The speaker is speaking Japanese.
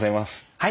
はい。